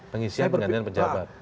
pengisian dan penggantian pejabat